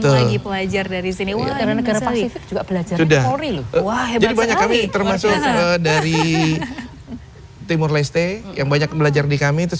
lagi pelajar dari sini karena pasifik juga belajar dari lestai yang banyak belajar di kami terus